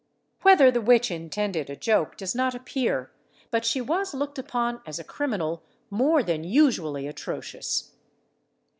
Whether the witch intended a joke does not appear, but she was looked upon as a criminal more than usually atrocious.